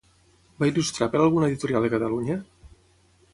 Va il·lustrar per a alguna editorial de Catalunya?